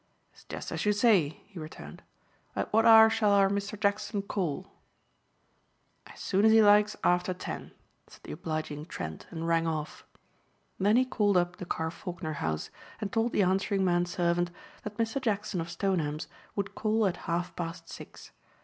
"It's just as you say," he returned. "At what hour shall our Mr. Jackson call?" "As soon as he likes after ten," said the obliging Trent, and rang off. Then he called up the Carr Faulkner house and told the answering man servant that Mr. Jackson of Stoneham's would call at half past six.